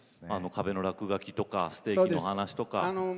壁の落書きとかステーキのお話とか。